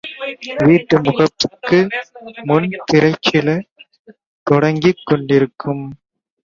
வீட்டு முகப்புக்கு முன் திரைச்சில தொங்கிக்கொண்டிருக்கும்.